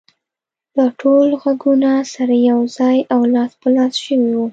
دا ټول غږونه سره يو ځای او لاس په لاس شوي وو.